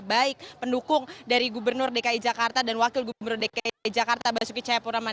baik pendukung dari gubernur dki jakarta dan wakil gubernur dki jakarta basuki cahayapurama